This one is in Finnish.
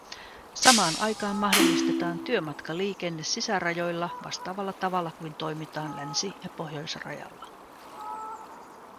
Samaan aikaan mahdollistetaan työmatkaliikenne sisärajoilla vastaavalla tavalla kuin toimitaan Länsi- ja Pohjoisrajalla.